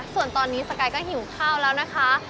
ส่วนตอนนี้สกายก็หิวข้าวแล้วนะคะ